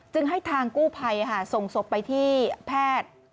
ให้ทางกู้ภัยส่งศพไปที่แพทย์